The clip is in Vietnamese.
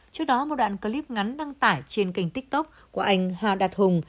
trước đó một đoạn clip ngắn đăng tải trên kênh tiktok của anh hà đạt hùng